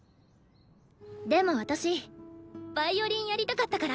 でも私ヴァイオリンやりたかったから。